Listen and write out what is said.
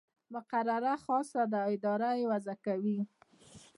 مقرره خاصه ده او اداره یې وضع کوي.